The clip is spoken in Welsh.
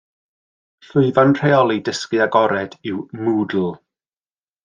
Llwyfan rheoli dysgu agored yw Moodle.